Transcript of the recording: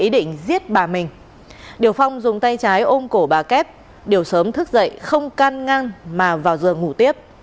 điều phong dùng tay trái ôm cổ bà kép điều sớm thức dậy không can ngăn mà vào giường ngủ tiếp